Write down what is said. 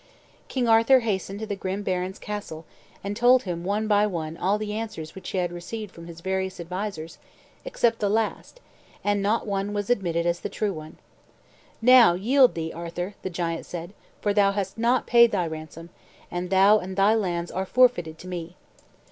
King Arthur hastened to the grim baron's castle and told him one by one all the answers which he had received from his various advisers, except the last, and not one was admitted as the true one. "Now yield thee, Arthur," the giant said, "for thou hast not paid thy ransom, and thou and thy lands are forfeited to me."